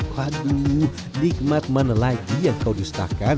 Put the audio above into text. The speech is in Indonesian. waduh nikmat mana lagi yang kau dustakan